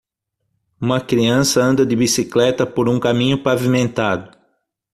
Uma criança anda de bicicleta por um caminho pavimentado.